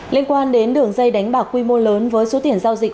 liên quan đến đường dây đánh bạc quy mô lớn với số tiền giao dịch